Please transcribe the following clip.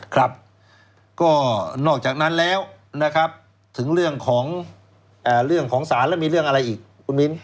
ครับก็นอกจากนั้นแล้วนะครับถึงเรื่องของศาลแล้วมีเรื่องอะไรอีกคุณมิ้น